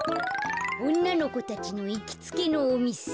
おんなのこたちのいきつけのおみせ。